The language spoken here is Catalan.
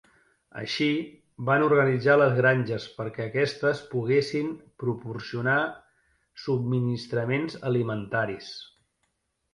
Així, van organitzar les granges perquè aquestes poguessin proporcionar subministraments alimentaris.